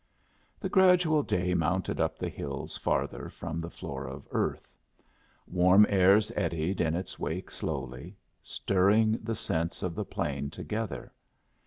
The gradual day mounted up the hills farther from the floor of earth. Warm airs eddied in its wake slowly, stirring the scents of the plain together.